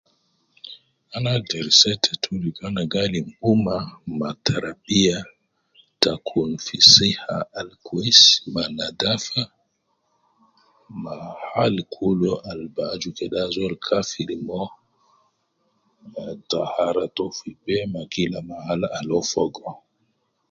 Ana agder setetu ligo ana gi alim umma na tarabiya ta kun fi siha al kwesi ma nadafa ma hal kulu al bi aju ke ajol kafir mo ah, tahara to fi be ma kila mahal al uwo fogo